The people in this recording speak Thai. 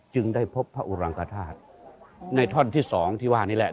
ได้พบพระอุรังกธาตุในท่อนที่สองที่ว่านี่แหละ